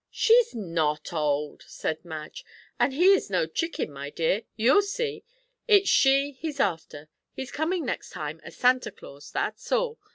"She's not old," said Madge. "And he is no chicken, my dear. You'll see. It's she he's after. He's coming next time as Santa Claus, that's all.